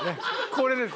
これです